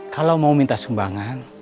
kalau mau minta sumbangan